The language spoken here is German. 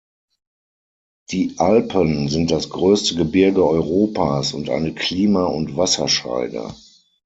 Die Alpen sind das größte Gebirge Europas und eine Klima- und Wasserscheide.